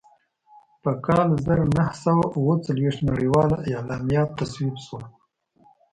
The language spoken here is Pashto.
په کال زر نهه سوه اووه څلوېښت نړیواله اعلامیه تصویب شوه.